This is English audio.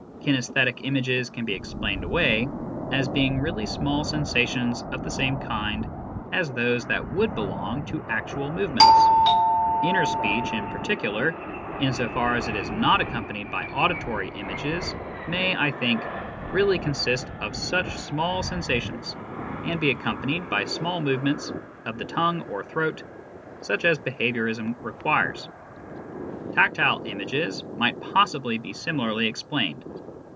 Kinaesthetic images can be explained away, as being really small sensations of the same kind as those that would belong to actual movements. Inner speech, in particular, in so far as it is not accompanied HOW PROPOSITIONS MEAN. 11 by auditory images, may, I think, really consist of such small sensations, and be accompanied by small movements of the tongue or throat such as behaviourism requires. Tactile images might possibly be similarly explained.